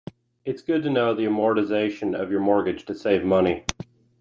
Its good to know the amortization of your mortgage to save money.